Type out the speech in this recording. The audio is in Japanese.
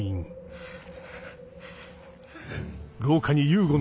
ハァ。